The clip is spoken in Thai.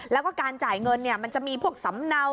แล้วก็การจ่ายเงินมันจะมีพวกสำเนา